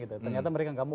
ternyata mereka gak mau